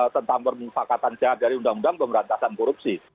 tentang permukaan tahan jahat dari undang undang pemberantasan korupsi